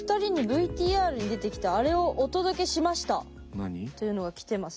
何？というのが来てます